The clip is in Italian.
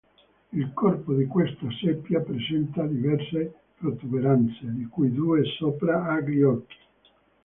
Il corpo di questa seppia presenta diverse protuberanze, di cui due sopra agli occhi.